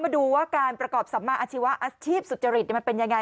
มาดูว่าการประกอบสัมมาอาชีวะอาชีพสุจริตมันเป็นยังไง